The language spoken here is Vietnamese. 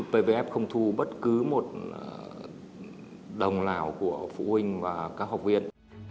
pvf không thu bất cứ một đồng nào của phụ huynh và các học viên